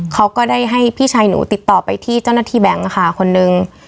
เขาก็ได้ให้พี่ชายหนูติดต่อไปที่เจ้าหน้าที่แบงค์ค่ะคนนึง